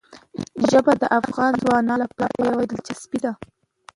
ژبې د افغان ځوانانو لپاره یوه دلچسپي لري.